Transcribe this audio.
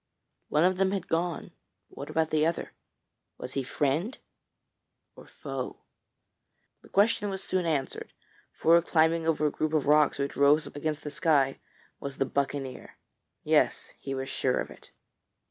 One of them had gone, but what about the other? Was he friend or foe? The question was soon answered, for climbing over a group of rocks which rose against the sky was the buccaneer. Yes; he was sure of it.